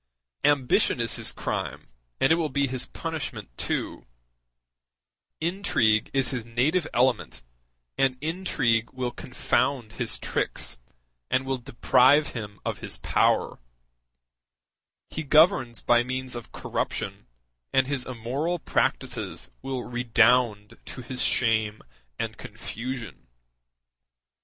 Ambition is his crime, and it will be his punishment too: intrigue is his native element, and intrigue will confound his tricks, and will deprive him of his power: he governs by means of corruption, and his immoral practices will redound to his shame and confusion.